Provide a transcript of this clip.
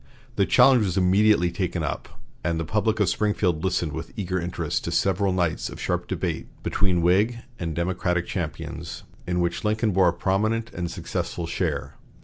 The challenge was immediately taken up, and the public of Springfield listened with eager interest to several nights of sharp debate between Whig and Democratic champions, in which Lincoln bore a prominent and successful share.